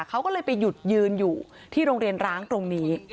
เขาก็เลยไปหยุดยืนอยู่ที่โรงเรียนร้างตรงนี้